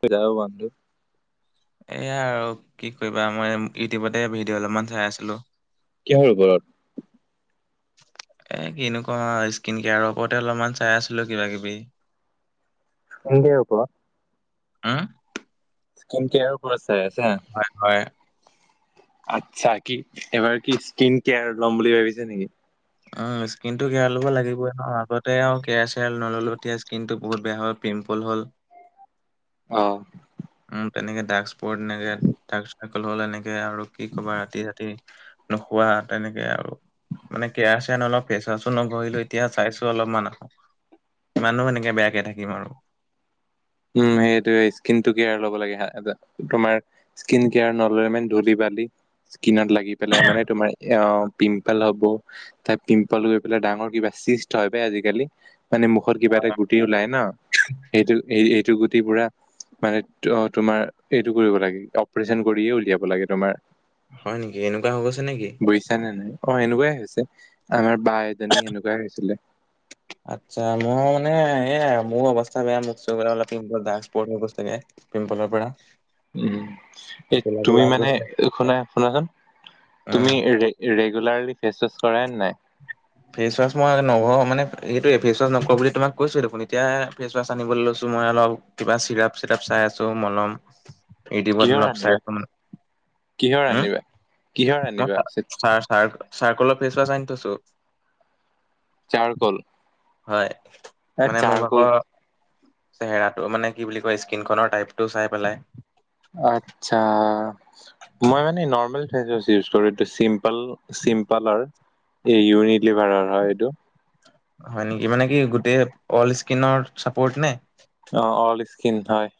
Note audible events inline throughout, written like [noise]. কজও বানধে [unintelligible] এইয়া আৰু কি কৰিবা, মই ইউটিউবতে ভিডিঅ' অলপমান চাই আছিলোঁ। কিহৰ ওপৰত? এ, কেনেকুৱা, স্কিন কেয়াৰৰ ওপৰতে অলপমান চাই আছিলোঁ কিবা-কিবি। হং হকুৱ [unintelligible] উম? হেল্থ কেয়াৰৰ উপৰত চাই আছা? হয়, হয়। আচ্ছা, কি এইবাৰ কি স্কিন কেয়াৰত ল'ম বুলি ভাবিছাঁ নেকি? উম, স্কিন টো কেয়াৰ ল'ব লাগিবই ন', আগতে আৰু কেয়াৰ চেয়াৰ নল'লো এতিয়া স্কিনটো বহুত বেয়া হ'ল। পিম্পল হ'ল। অ'। উম, তেনেকে ডাৰ্ক স্পৰ্ট এনেকে, ডাৰ্ক চাইকল হ'লে এনেকে, আৰু কি কবা ৰাতি, ৰাতি। নোখোৱা তেনেকে আৰু, মানে কেয়াৰ চেয়াৰ নলওঁ, ফেচ ৱাচো নঘহিলোঁ, এতিয়া চাই অলপমান, কিমাননো সেনেকে বেয়াকে থাকিম আৰু। উম, সেইটোৱে, স্কিনটো কেয়াৰ ল'ব লাগে তোমাৰ স্কিন কেয়াৰ নল'লে মানে ধূলি, বালি। স্কিনত লাগি পেলাই মানে তোমাৰ এ, পিম্পল হ'ব। তাই পিম্পল গৈ পেলাই ডাঙৰ কিবা চিষ্ট হয় আজিকালি, মানে মুখত কিবা এটা গ গুটি ওলাই ন', সেইটো এই, এইটো গুটি পুৰা মানে অ', তোমাৰ এইটো কৰিব লাগে, অপাৰেচন কৰিয়ে উলিয়াব লাগে, তোমাৰ হয় নেকি, এনেকুৱা হৈ গৈছে নেকি? বুজিছাঁ নে নাই, অ', সেনেকুৱাই হৈছে আমাৰ বা এজনী সেনেকুৱাই হৈছিলে। আচ্ছা মই মানে এয়া, মোৰ অৱস্থা বেয়া মোক চৈ গলে অল পি্পৰ্ [unintelligible] বেয়া পিম্পলৰ পৰা। উম, এই ক'লা ক'লা তুমি হৈ মানে গৈছে। শুনাচোন, উম, তুমি ৰেগুলাৰলি ফেচ ৱাচ কৰা নাই? [inaudible] ফেচৱাছ মই নঘহোঁ মানে, সেইটোৱে ফেচৱাছ নকৰোঁ বুলি তোমাক কৈছোৱেই দেখোন, এতিয়া ফেচ ৱাছ সানিবলৈ লৈছোঁ মই অলপ। কিবা চিৰাপ চিৰাপ চাই আছোঁ, মলম। ইউটোবত কিহৰ চাই আনিবা মানে কিহৰ উম, আনিবা কিহৰ ম আনিবা চ [unintelligible] চাৰ-চাৰ্কলৰ ফেচ ৱাছ আনি থৈছোঁ। Sir call? হয়, মানে মোৰ ভাগৰ চেহেৰাটো মানে কি বুলি কয়, স্কিনখনৰ টাইপটো চাই পেলাই। আচ্ছা, মই মানে নৰ্মেল ইউজ কৰোঁ, এইটো চিম্প-চিম্পালৰ এই ইউৰিন লিভাৰৰ হয় এইটো। হয় নেকি, মানে কি গোটেই অল স্কিনৰ চাপৰ্ট নে? অ', অল স্কিন হয়।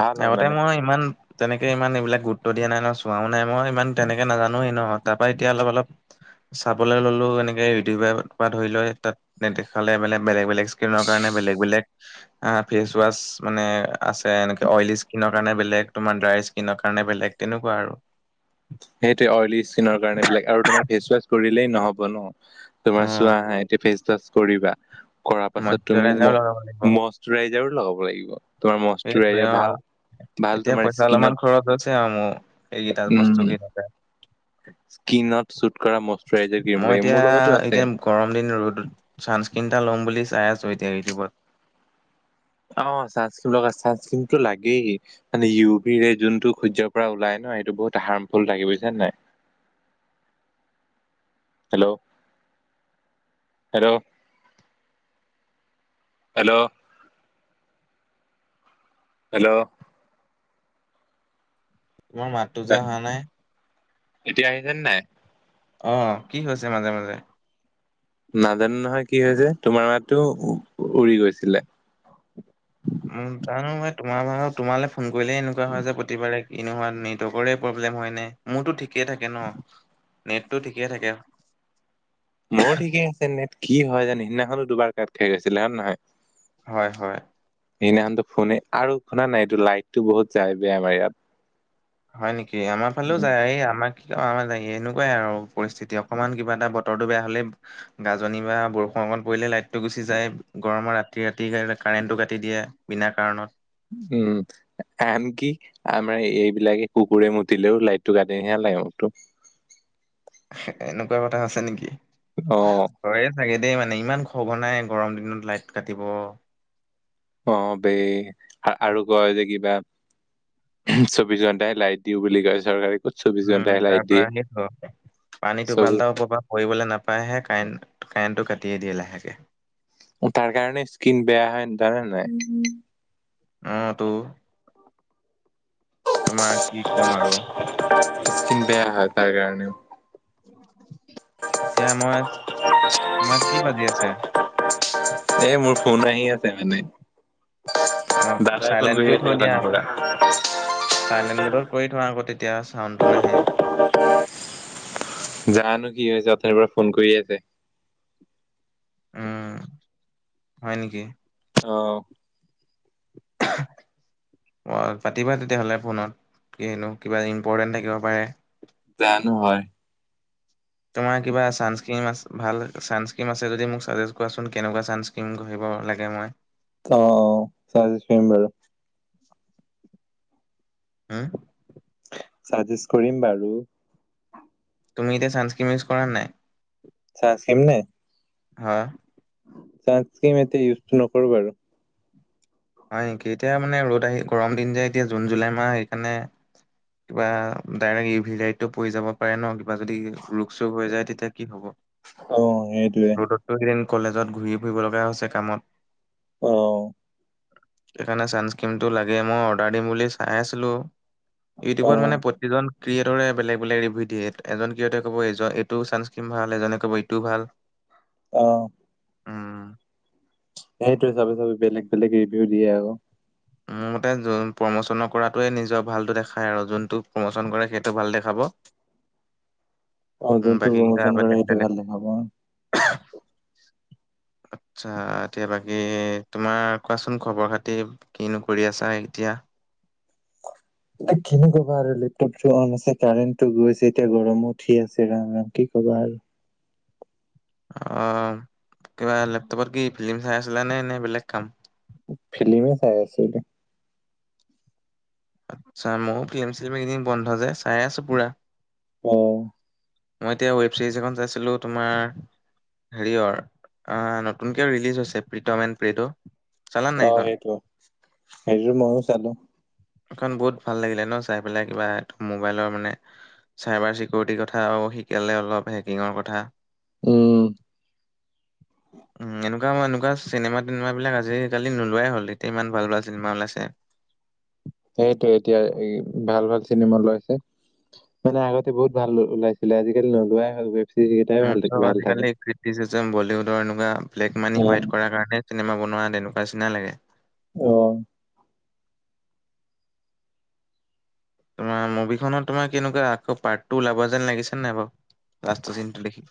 ভাল হয় আগতে মানে মই ইমান তেনেকে ইমান এইবিলাক গুৰুত্ব দিয়া নাই ন', চোৱাও নাই, মই ইমান তেনেকে নাজানোৱেই ন', তাৰ পৰা এতিয়া অলপ অলপ চাবলৈ ল'লো, এনেকে ইউটিউবৰ পৰা ধৰি লৈ তাত নেদেখালে মানে বেলেগ-বেলেগ স্কিনৰ কাৰণে বেলেগ-বেলেগ, ফেচ ৱাছ মানে আছে, এনে অইল স্কিনৰ কাৰণে বেলেগ, তোমাৰ ড্ৰাই স্কিনৰ কাৰণে বেলেগ, তেনেকুৱা আৰু। সেইটোৱে অইলী স্কিনৰ কাৰণে বেলেগ আৰু তোমাৰ ফেচ ৱাছ কৰিলেই নহ'ব ন'। তোমাৰ উম চোৱা হাঁ, এতিয়া ফেচ ৱাচ কৰিবা, কৰাৰ পাছত, তুমি মইশ্চাৰাইজাৰো ম লগাব লাগিব লগাব লাগিব সেইটোৱে মাৰ অ [unintelligible] ভাল। ভাল এতিয়া তোমাৰ পইচা স্কিনত অলপমান খৰচ হৈছে আৰু মোৰ, এইকেইটা উম বস্তু কেইটাত। স্কিনত শুট কৰা মইশৰাইজাৰ ক্ৰীম মই লাগে এতিয়া মোৰ লগতো আছে। এতিয়া গৰম দিন ৰ'দত, ছানস্ক্ৰীন এটা ল'ম বুলি চাই আছো এতিয়া ইউটিউবত। অ, চানস্ক্ৰীন লগা চাঞ্চক্ৰীম টো লাগেই। মানে ইউ, বি, ৰে যোনটো সূৰ্যৰ পৰা ওলাই ন, এইেটো বহুত হাৰ্মফুলাগে বুজিছা নে নাই। স হেল্ল, হেল্ল, হেল্ল, হেল্ল, তোমাৰ মাতটো যে হোৱা নাই। এতিয়া আহিছে নে নাই? অ, কি হৈছে মাজে-মাজে। নাজানো নহয় কি হৈছে, তোমাৰ মাতো উৰি গৈছিলে। উম, জানো ম, তোমালৈ ফোন কৰিলেই এনেকুৱা হয় যে, প্ৰতিবাৰে। কিনেহোৱা, নেটৱৰ্কৰে প্ৰব্লেম হয় নে, মোৰতো ঠিকে থাকে ন, নেটটো ঠিকে থাকে। মোৰো ঠিকেই আছে নে কি হয় জানো সিদিনাখনো দুবাৰ কাত খাই গৈছিলে হে নে নহয়। হয়, হয়। সেইদিনাখনতো ফোনে, আৰু শুনা নাই এইটো লাইটতটো বহুত যায় বেয়ামাৰ ইয়াত। হয় নেকি, আমাৰ ফালেও উম, যায় এই আমাক কি আমাৰ যে, এনেকুৱাই আৰু পৰিস্থিতি অকমান কিবা এটা বতৰটো বেয়া হ'লেই গাজনি বা বৰষুণ অকণ পৰিলে লাইটটো গুচি যায়, গৰমত ৰাতি ৰাতি কাৰেণ্টটো কাটি দিয়ে। বিনা কাৰণত। উম, আনকি আমাৰ এইবিলাকে কুকুৰে মুতিলেও লাইটশটো কাটি হে লাগে এনেকুৱা কথা আছে নেকি? অ, হয়ে চাগে দেই, মানে ইমান খঘনাই গৰম দিনত লাইট কাটিব। অ, বে, আৰু কয় যে কিবা চৌবিশ ঘণ্টাহে লাইট দিওঁ বুলি কয় চৰকাৰে ক'ত চৌবিশ উম, ঘন্টাই তাৰ লাইট পৰা দিয়ে। সেইটো পানী চৌবিশ টোপালটাও পবা। কৰিবলৈ নাপায়হে কাৰেণ্ট কাৰেণ্টটো কাটিয়েই দিয়ে লাহেকৈ। তাৰ কাৰণে স্কিন বেয়া হয় ন জানে নাই। অ, তো। তোমাৰ কি ক'ম আৰু। চিন্তাই হয় তাৰ কাৰণেও। এতিয়া মই, তোমাৰ কি বাজি আছে? এ, মোৰ ফোন আহি আছে মানে। অ দাদাই ফোন চাইলেণ্ট কৰি আছে, থৈ দিয়া গোকানীৰ আকৌ পৰা। চাইলেণ্ট মোডত কৰি থোৱা, আকৌ তেতিয়া চাউণ্ডটো নাহে। জানো কি হৈছে অ, থনি পৰা ফোন কৰি আছে। উম, হয় নেকি। অ, [unintelligible] পাতিবা তেতিয়াহ'লে ফোনত, কিহনো কিবা ইম্পৰ্টেণ্ট থাকিব পাৰে। জানো হয়। তোমৰ কিবা চাঞ্চক্ৰীম আছে ভাল চাঞ্চক্ৰীম, আছে যদি মোক চাজেষ্ট কৰা চোন কেনেকুৱা কিৰিম ঘঢ়িব লাগে মই। অ', অ' চাজ্যেষ্ঠ কৰিম বাৰু। হম, চাজেষ্ট কৰিম বাৰু। তুমি এতিয়া, চাঞ্চক্ৰীম ইউজ কৰা নাই? চাঞ্চক্ৰীম নে? হয়। চানক্ৰীম এতিয়া ইউজ নকৰোবা আৰু। হয় নেকি এতিয়া মানে ৰ'দ আহি গৰম দিন যে এতিয়া জুন জুলাই মাহ সেইকাৰণে কিবা ডাইৰেক্ট ই ভি ৰ লাইট পৰি যাব পাৰে ন। কিবা যদি ৰোগ চোগ হৈ যায় তেতিয়া কি হ'ব। অ', সেইটোয়ে। এদিন কলেজত ঘূৰি ফুৰিব লগা হৈছে কামত। অ'। সেইকাৰণে ছানস্ক্ৰীণটো লাগে মই অৰ্ডাৰ দিম বুলি চাই আছিলোঁ অ ইউটিউবত মানে যিজন ক্ৰিয়েটৰে বেলেগ বেলেগ ৰিভিউ দিয়ে এজন ক্ৰিয়েটে ক'ব এই এইটো ছানস্ক্ৰীন ভাল এজনে ক'ব এইটোও ভাল। অ'। উম। সেইটোৱে চবে, চবে বেলেগ বেলেগ ৰিভিউ দিয়ে আৰু। মোৰ মতে প্ৰমোচন কৰাটোৱে নিজৰ ভালটো দেখায় আৰু যোনটো প্ৰমোচন কৰে সেইটো ভাল দেখাব। অ', উম যোনটো বাকী কেইটা প্ৰমোচন কৰে বেলেগ বেলেগ। সেইটো ভালে খাব। [unintelligible] আচ্ছা, এতিয়া বাকী তোমাৰ কোৱাচোন খবৰ খাতি কিনো কৰি আছা এতিয়া? খিনি কবা আৰু লেপটপটো অন আছে কাৰেণ্টটো গৈছে এতিয়া গৰমো উঠি আছে ৰাম, ৰাম কি কবা আৰু। অ', কিবা লেপটপত কি ফিল্ম চাই আছিলে নে নে বেলেগ কাম? ফিল্ময়ে চাই আছিলোঁ। আচ্ছা ময়ো ফিল্ম চিম কেইদিন বন্ধ যে চাই আছো পুৰা। অ'। মই এতিয়া ৱেব ছিৰিজ এখন চাইছিলোঁ তোমাৰ হেৰি অৰ নতুনকে ৰিলিজ হৈছে প্ৰিতম এ প্ৰেটো। অ', সেইটো, সেইটো ময়ো চালো। এখন বহুত ভাল লাগিলে ন' চাই পেলাই কিবা মোবাইলৰ মানে চাইবাৰ চিকিউৰিটিৰ কথা শিকালে অলপ হেকিঙৰ কথা উম উম [unintelligible] এনেকুৱা চিনেমা তিনেমা বিলাক আজিকালি নোলাই হ'ল এতিয়া ইমান ভাল, ভাল চিনেমা ওলাই আছে। সেইটোয় এতিয়া ভাল ভাল চিনেমা ওলাইছে। মানে আগতে বহুত ভাল ওলাইছিলে আজিকালি নোলোৱাই হ'ল গৈ। উম, চব আজিকালি ক্ৰিতটিচিজম বলীউডৰ এনেকুৱা ব্লেক মানি উম হোৱাইট কৰ কাৰণে। চিনেমা বনোৱা তেনেকুৱা চিনা লাগে। অ'। তোমাৰ মুভি খনত তোমাৰ কেনেকুৱা আকৌ পাৰ্ট ওলাব যেন লাগিছে নাই বাৰু লাষ্টৰ চিনটো দেখি।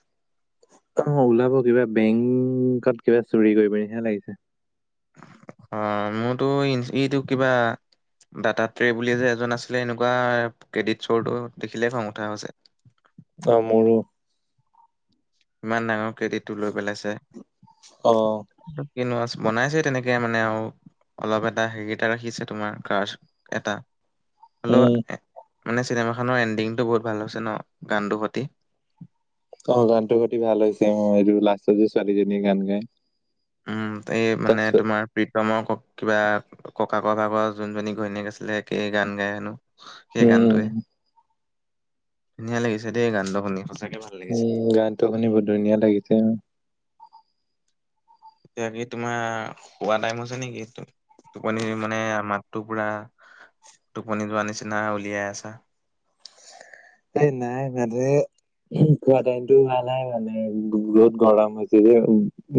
অ', ওলাব কিবা বেংকত কিবা চুৰি কৰিব নিছিনা লাগিছে। অ', মোৰতো ইটো কিবা ডাটা ট্ৰে বুলিয়ে যে এজন আছিলে এনেকুৱা ক্ৰেডিট চ'ৰটো দেখিলে খং উঠা হৈছে। অ', মোৰো। ইমান ডাঙৰ কে্ৰডিটটো লৈ পেলাইছে। অ'। কিনোৱা বনাইছে তেনেকে মানে আৰু অলপ এটা হেৰিটা ৰাখিছে তোমাৰ কাৰ এটা। হলও উম, মানে চিনেমাখনৰ এণ্ডিংটো বহুত ভাল হৈছে ন গানটোৰ সতি। অ', গানটো প্ৰতি ভাল হৈছে মই এইটো লাষ্টত যে ছোৱালীজনী গান গাই। উম এই মানে তোমাৰ প্ৰীতমৰ ক কিবা ককাক ভাগৰ যোনজনী ঘৈণীয়েক আছিলে একেই গান গাই হেনো। সেই উম, গানটোৱে ধুনীয়া লাগিছে দেই গানটো শুনি সচাঁকে উম গানতটো শুনি বহুত ধুনীয়া লাগিছে উ। এতিয়া কি তোমাৰ শোৱা টাইম হৈছে নেকি? এইটো টোপনি মানে আমাৰ মাতো পুৰা টোপনি যোৱা নিচিনা উলিয়াই আছা। এ নাই ভাদেই খোৱা টাইমতটো ভালাই মানে বহুত গৰম হৈছে যে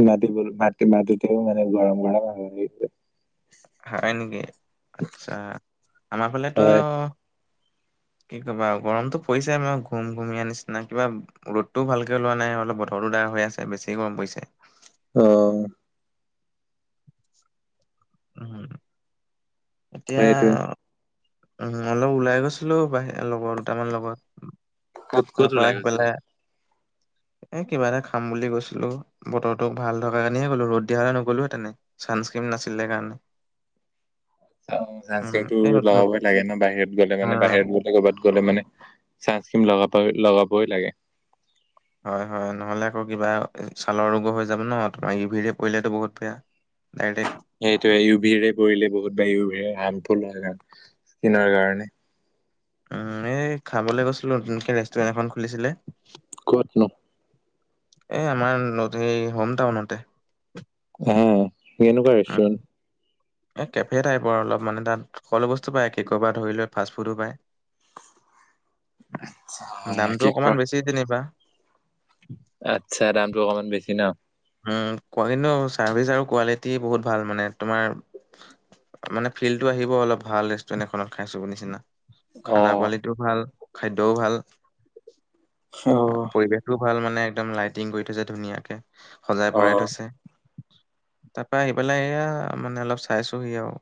মাব ম। [unintelligible] তেমাথো তে মানে গৰম গৰম হ [unintelligible] হয় নেকি আচ্ছা আমাৰ ফালেতো হয় কি কবা গৰমটো পৰিছে আৰ ঘুম ঘুম য়াৰ নিচিনা কিবা ৰ'দটোও ভালকে ওলোৱা নাই অলপ বতৰো ডাৰ হৈ আছে বেছি গৰম পৰিছে। অ'। উম, এতিয়া সেইটোৱে উম অলপ ওলাই গৈছিলো বাহি লগৰ দুটামান লগত। ক'ত ক'ত তাৰপা ওলাই ইফালে। গৈছিলে? এ কিবা এটা খাম বুলি গৈছিলো বতৰোক ভাল থকা কাৰণেহে গ'লো ৰ'দ দিয়া হলে নগ'লোহেতেনে। ছানস্ক্ৰীম নাছিলে কাৰণে। অ' উম, চো এই নতুন লগাবই লাগে ন বাহিৰত গ'লে অ, মানে বাহিৰত গ ক'বাত গ'লে মানে চা খিম লগাব লগাবই লাগে। হয় হয় নহলে আকৌ কিবা ছালৰ ৰোগো হৈ যাব ন তোমাৰ ইউ ভি ৰে পৰিলেতো বহুত বেয়া। [unintelligible] সেইটোয়ে ইউ ভৰে পৰিলে বহুত বা ইউ ভ হাৰ্মফুল হয়ণ স্কিনৰ কাৰণে। উম এই খাবলৈ গৈছিলো নতুন ৰেষ্টুৰেণ্ট এখন খুলিছিলে। কত নো? এ আমাৰ এই হোম টাউনতে। হা কেনেকুৱা উম, ৰেষ্টুৰেণ্ট? এই কেফে টাইপৰ অলপ মানে তাত সকলো বস্তু পায় কে'কৰ পৰা ধৰি ল ফাষ্ট ফুডো পায়। অ দামটো কি ক অকমান বেছি যেনিবা। আচ্ছা দামটো অকমান বেছি ন? উ কিন্তু চাৰ্ভিচ আৰু কোৱালিটি বহুত ভাল মানে তোমাৰ মানে ফিল্টো আহিব অলপ ভাল ৰেষ্টুৰেন্ট এখনত খাইছো নিচিনা। অ খানা কোৱালিটিও ভাল খাদ্যও ভাল। অ পৰিৱেশও ভাল মানে একদম লাইটিং কৰি থৈছে ধুনীয়াকে সজাই অ পৰাই থৈছে। [unintelligible] তাৰ পৰা আহি পেলাই এইয়া মানে অলপ চাইছোহি আৰু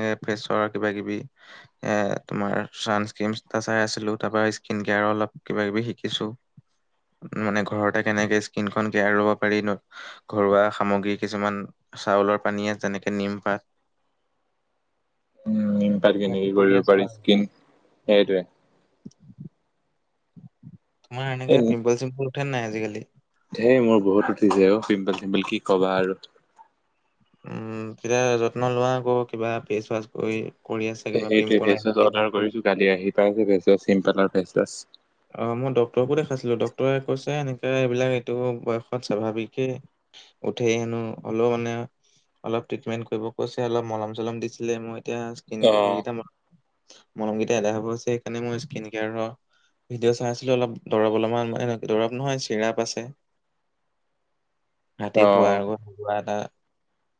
এনেকে ফেচৰ কিবা কিবি। এ তোমাৰ চানস্কন এটা চাই আছিলো তাৰ পৰা স্কিন কেয়াৰ অলপ কিবা কিবি শিকিছো। মানে ঘৰতে কেনেকে স্কিন খন কেয়াৰ লয়। [unintelligible] ঘৰুৱা সামগ্ৰী কিছুমান চাউলৰ পানীয়ে যেনেকে নিম পাত। [inaudible] উম তাতখিনি সেইবোৰ কৰি কৰিব আছো আৰু। পাৰি স্কিন উম, সেইটোৱে। তোমাৰ এনেকে পিম্পোল চিম্পোল উঠে নাই আজিকালি? হেইৰ মোৰ বহুত উঠিছে অ' পিম্পুল চিম্পল কি কবা আৰু। তেতিয়া যত্ন লোৱা আকৌ কিবা ফেচ ৱাছ কৰি। কৰি আছে কিবা সেইটোৱে পিম্পল ফেচ ৱাছ অৰ্ডাৰ আহ প কৰিছো কালি আহি পাই যে ফেচৱছ চি্পলৰ ফেচৱছ। অ', মই ড্টৰকো দেখাইছিলো ডটৰে কৈছে এনেকে এইবিলাক এইটো বয়সত স্বাভাৱিকে। উঠেই হেনো হলেও মানে অলপ ট্ৰিটমেন্ট কৰিব কৈছে অলপ মলম চলম দিছিলে মই এতিয়া। স অ হাইগিতা মনমকেইটা [unintelligible] হ'বছে সেইকাৰণে মই স্কিন কেয়াৰ ভিডিঅ' চাইছিলো অলপ দৰৱ অলপমান মানে এেনেকে দৰৱ নহয় চিৰাপ আছে। ৰাতি অ শোৱাৰ আগত হোৱা এটা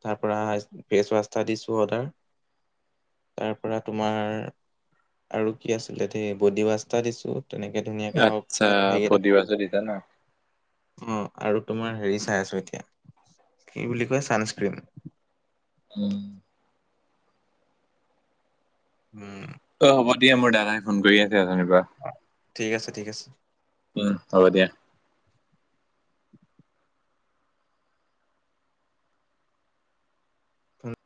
তাৰ পৰা ফেচৱাছ এটা দিছো অৰ্ডাৰ। তাৰ পৰা তোমাৰ আৰু কি আছিলে ধেই বডি ৱাছটা দিছোঁ। তেনেকে ধুনীয়াকে আহক আচ্ছা হেৰিকেইটা বডি চাই ৱাছো দিছা ন অ', আৰু তোমাৰ হেৰি চাই আছো এতিয়া কি বুলি কয় চানস্ক্ৰীন। উম। উম। অই হ'ব দিয়া মোৰ দাদাই ফোন কৰি আছে অথনিৰ পৰা। ঠিক আছে ঠিক আছে। উম, হ'ব দিয়া। হয়।